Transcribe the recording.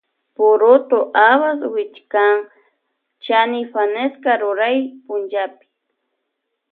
Purutu habas wichikan chani fanesca ruray punllapi.